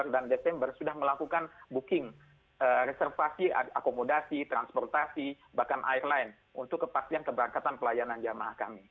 jadi kita sudah melakukan booking reservasi akomodasi transportasi bahkan airline untuk kepastian keberangkatan pelayanan jemaah kami